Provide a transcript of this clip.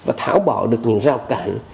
và tháo bỏ được những rào cản